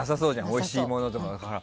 おいしいものとか。